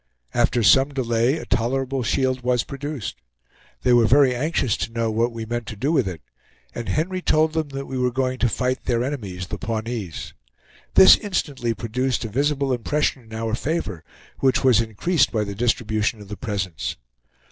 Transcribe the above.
After some delay a tolerable shield was produced. They were very anxious to know what we meant to do with it, and Henry told them that we were going to fight their enemies, the Pawnees. This instantly produced a visible impression in our favor, which was increased by the distribution of the presents.